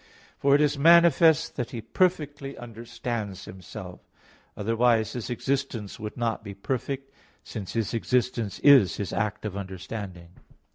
For it is manifest that He perfectly understands Himself; otherwise His existence would not be perfect, since His existence is His act of understanding.